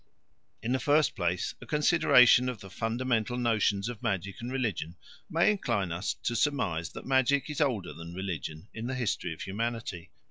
In the first place a consideration of the fundamental notions of magic and religion may incline us to surmise that magic is older than religion in the history of humanity.